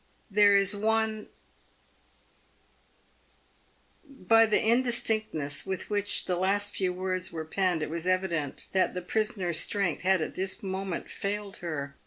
There is one " By the indistinctness with which the last few words were penned, it was evident that the prisoner's strength had at this moment failed her.